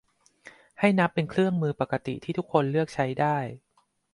ให้นับเป็นเครื่องมือปกติที่ทุกคนเลือกใช้ได้